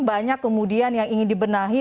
banyak kemudian yang ingin dibenahi